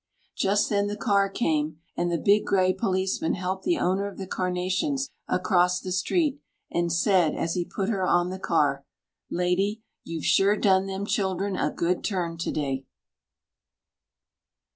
Just then the car came, and the big grey policeman helped the owner of the carnations across the street, and said as he put her on the car, "Lady, you've sure done them children a good turn to day."